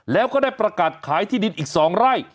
แล้วก็ได้ประกาศขายที่ดินอีก๒ไร่